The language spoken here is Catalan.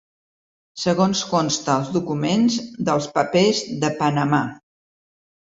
Segons consta als documents dels ‘papers de Panamà’.